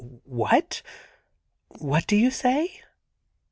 *What? — What do you say?'